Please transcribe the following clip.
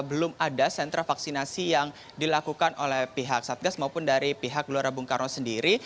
bagi ferry ini adalah sekali lagi satu peran yang terakhir diperlukan oleh pihak satgas maupun dari pihak gelora bung karno sendiri